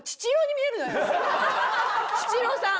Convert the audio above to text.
チチローさん！